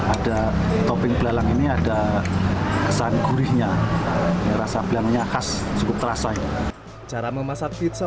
ada topping belelang ini ada kesan gurihnya rasa belangnya khas cukup terasa ini cara memasak pizza